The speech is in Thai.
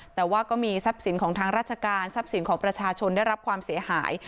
แต่ว่าก็มีทรัพย์สินของทางราชการทรัพย์สินของประชาชนได้รับความเสียหาย